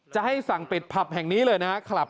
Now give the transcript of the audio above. จะให้สั่งปิดผับแห่งนี้เลยนะครับ